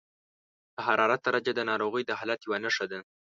د حرارت درجه د ناروغۍ د حالت یوه نښه ده.